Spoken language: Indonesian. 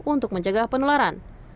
untuk menjaga penularan